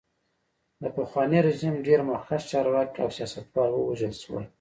د پخواني رژیم ډېر مخکښ چارواکي او سیاستوال ووژل شول.